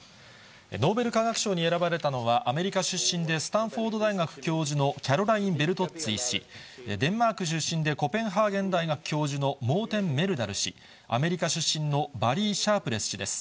ノーベル化学賞に選ばれたのは、アメリカ出身でスタンフォード大学教授の、キャロライン・ベルトッツィ氏、デンマーク出身でコペンハーゲン大学のモーテン・メルダル氏、アメリカ出身のバリー・シャープレス氏です。